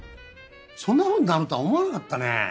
そんなふうになるとは思わなかったね。